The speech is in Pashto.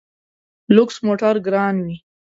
لوکس موټر ګران وي.